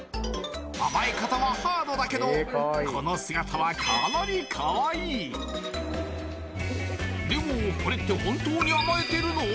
甘え方はハードだけどこの姿はかなりカワイイでもこれって本当に甘えてるの？